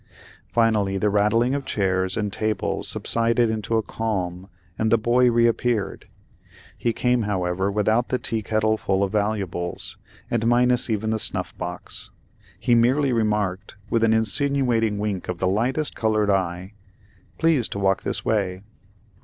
Finally the rattling of chairs and tables subsided into a calm, and the boy reappeared. He came, however, without the tea kettle full of valuables, and minus even the snuff box; he merely remarked, with an insinuating wink of the lightest colored eye, "Please to walk this way."